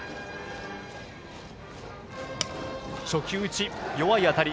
初球打ち、弱い当たり。